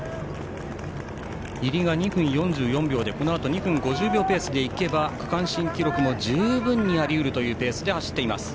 入りが２分４４秒でこのあと２分５０秒ペースでいけば区間新記録も十分にあり得るというペースで走っています。